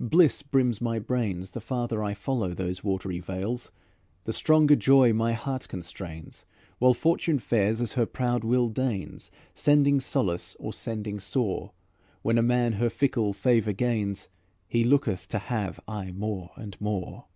Bliss brims my brains; The farther I follow those watery vales, The stronger joy my heart constrains. While Fortune fares as her proud will deigns, Sending solace or sending sore, When a man her fickle favour gains, He looketh to have aye more and more.